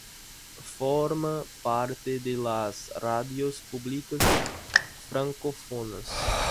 Forma parte de las Radios públicas francófonas.